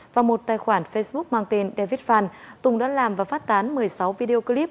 và một tài khoản facebook mang tên david fan tùng đã làm và phát tán một mươi sáu video clip